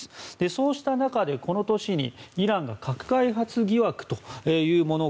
そうした中でこの年にイランが核開発疑惑というもの